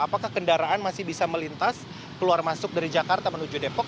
apakah kendaraan masih bisa melintas keluar masuk dari jakarta menuju depok